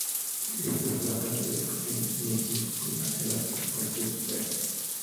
Griffin fue apadrinado por Kenny Smith, McGee fue asesorado pot Chris Webber.